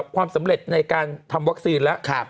ความสำเร็จในการทำวัคซีนแล้ว